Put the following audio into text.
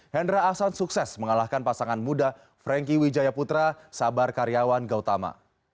hendra ahsan sukses mengalahkan pasangan muda frankie wijaya putra sabar karyawan gautama